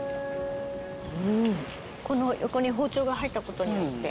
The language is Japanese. この横に包丁が入った事によって。